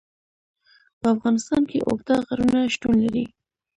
په افغانستان کې اوږده غرونه شتون لري.